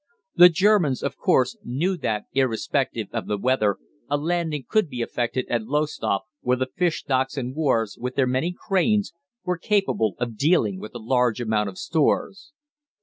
"The Germans, of course, knew that, irrespective of the weather, a landing could be effected at Lowestoft, where the fish docks and wharves, with their many cranes, were capable of dealing with a large amount of stores.